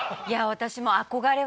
私